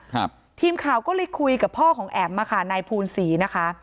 ทีมข่าวก็เลยคุยกับพ่อของแอ๋มอ่ะค่ะนายภูนศรีนะคะ